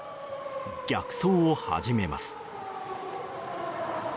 逆走を始めます。